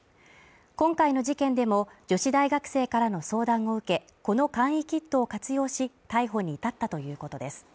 今回の事件でも、女子大学生からの相談を受けこの簡易キットを活用し逮捕に至ったということです。